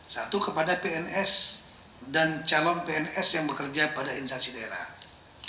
satu kepada pns dan calon pns yang bekerja pada instansi daerah